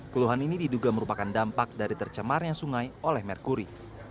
keluhan ini diduga merupakan dampak dari tercemarnya sungai oleh merkuri